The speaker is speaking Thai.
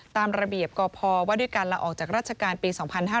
ตามระเบียบกพว่าด้วยการลาออกจากราชการปี๒๕๕๙